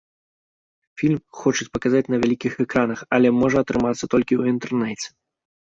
Фільм хочуць паказаць на вялікіх экранах, але можа атрымацца толькі ў інтэрнэце.